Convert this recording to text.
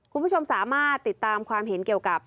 คุณผู้ชมสามารถติดตามความเห็นเกี่ยวกับ